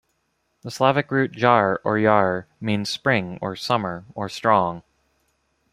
The Slavic root "jar" or "yar" means "spring" or "summer" or "strong".